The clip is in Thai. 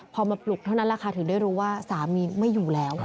พอมาปลุกเท่านั้นแหละค่ะถึงได้รู้ว่าสามีไม่อยู่แล้ว